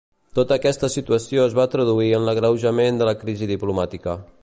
Tota aquesta situació es va traduir en l'agreujament de la crisi diplomàtica.